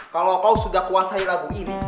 kalau kau sudah kuasai lagu ini